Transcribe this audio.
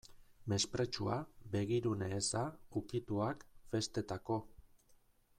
Mespretxua, begirune eza, ukituak, festetako.